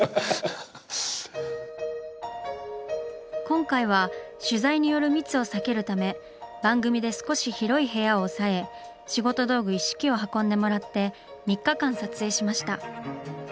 今回は取材による密を避けるため番組で少し広い部屋を押さえ仕事道具一式を運んでもらって３日間撮影しました。